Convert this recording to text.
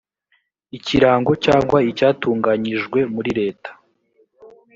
ikirango cyangwa icyatunganyijwe muri leta